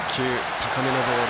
高めのボール。